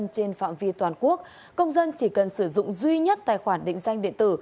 trên phạm vi toàn quốc công dân chỉ cần sử dụng duy nhất tài khoản định danh điện tử